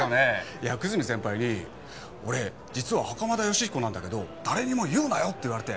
いや久住先輩に「俺実は袴田吉彦なんだけど誰にも言うなよ」って言われて。